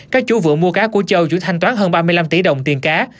các chủ vượng mua cá của châu chủ thanh toán hơn ba mươi năm tỷ đồng tiền cá